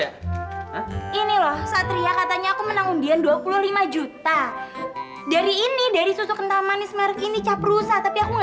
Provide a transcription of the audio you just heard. ya ampun terima kasih ya ustaz